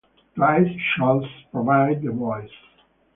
Dwight Schultz provides the voice.